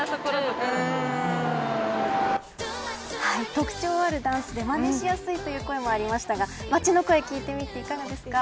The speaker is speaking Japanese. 特徴あるダンスでまねしやすいという声もありましたが街の声を聞いていかがでしたか。